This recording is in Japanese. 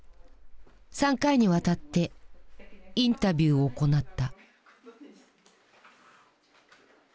３回にわたってインタビューを行った。